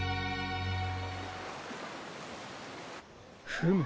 フム。